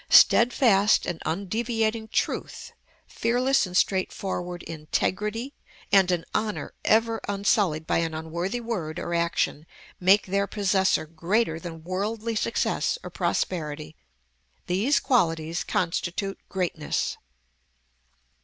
Steadfast and undeviating truth, fearless and straightforward integrity, and an honor ever unsullied by an unworthy word or action, make their possessor greater than worldly success or prosperity. These qualities constitute greatness."